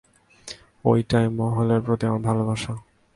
ওইটা, মহলের প্রতি আমার ভালোবাসা।